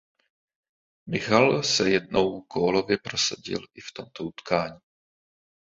Michal se jednou gólově prosadil i v tomto utkání.